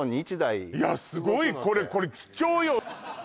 いやすごいこれこれ貴重よ！